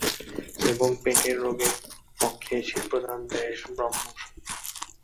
এবং পেটের রোগের পক্ষে শীতপ্রধান দেশ ব্রহ্মৌষধ।